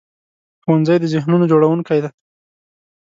ښوونځی د ذهنونو جوړوونکی دی